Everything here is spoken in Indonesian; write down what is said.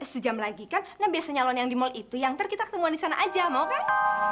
sejam lagi karena biasanya nyalon yang di mall itu yang ntar kita ketemuan di sana aja mau kan